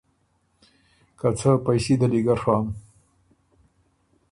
که څۀ پئݭي ده لی ګۀ ڒوم